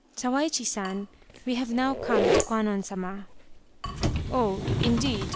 " Sawaichi San, we have now come to Kwannon Sama." " Oh, indeed